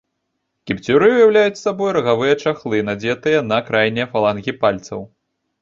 Кіпцюры ўяўляюць сабой рагавыя чахлы, надзетыя на крайнія фалангі пальцаў.